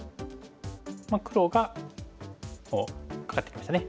黒がこうカカってきましたね。